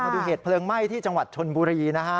ดูเหตุเพลิงไหม้ที่จังหวัดชนบุรีนะฮะ